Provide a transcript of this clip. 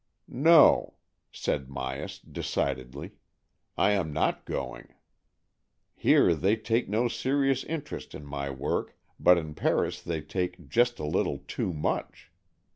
" No," said Myas decidedly, " I am not going. Here they take no serious interest in my work, but in Paris they take just a little too much.